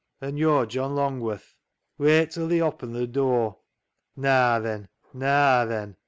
An' yo', John Longworth ? Wait till they oppen th' dur. Naa, then ! naa, then